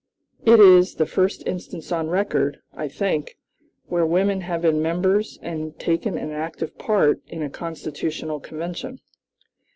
It is the first instance on record, I think, where women have been members and taken an active part in a constitutional convention.